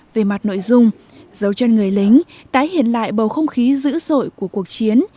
về mặt nội dung dấu chân người lính tái hiện lại bầu không khí dữ dội của cuộc chiến